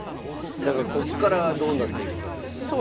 だからこっからどうなっていくかってことですね。